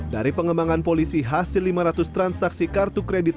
dari pengembangan polisi hasil lima ratus transaksi kartu kredit